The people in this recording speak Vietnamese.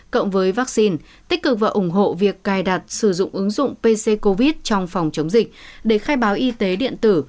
cộng với vaccine tích cực và ủng hộ việc cài đặt sử dụng ứng dụng pc covid trong phòng chống dịch để khai báo y tế điện tử